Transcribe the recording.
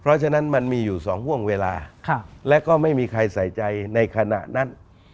เพราะฉะนั้นมันมีอยู่สองห่วงเวลาและก็ไม่มีใครใส่ใจในขณะนั้น